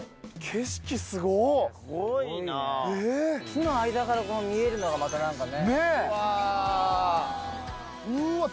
木の間から見えるのがまた何かねうわ。